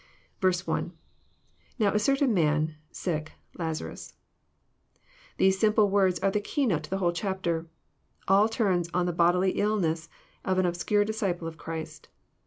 1, — [JVbto a certainman,..sick..,Lazaru8,'] These simple words are the key note to the whole chapter. AH turns on the bodily Illness of an obscure disciple of Christ.